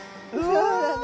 そうだね。